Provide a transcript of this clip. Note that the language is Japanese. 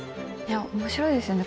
面白いですよね